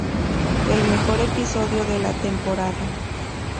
El mejor episodio de la temporada.